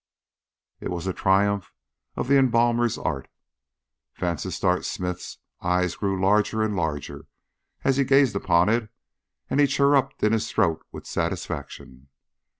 It was a triumph of the embalmer's art. Vansittart Smith's eyes grew larger and larger as he gazed upon it, and he chirruped in his throat with satisfaction.